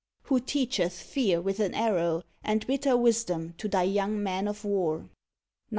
Who teacheth fear with an arrow, and bitter wisdom to thy young men of war; 19.